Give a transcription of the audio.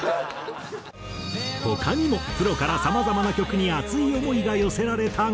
他にもプロからさまざまな曲に熱い思いが寄せられたが。